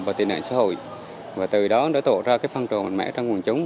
và tị nạn xã hội và từ đó đã tổ ra phân trồ mạnh mẽ trong quần chúng